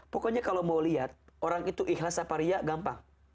pokoknya kalau mau lihat orang itu ikhlasa pariah gampang